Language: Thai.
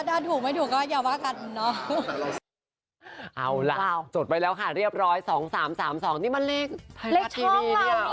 ถ้าถูกไม่ถูกก็อย่าว่ากันเนอะ